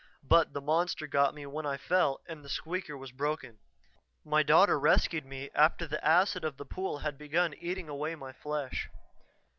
But the monster got me when I fell and the 'squeaker' was broken. My daughter rescued me after the acid of the pool had begun eating away my flesh.